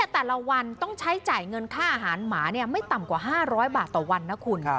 แต่ละวันต้องใช้จ่ายเงินค่าอาหารหมาไม่ต่ำกว่า๕๐๐บาทต่อวันนะคุณ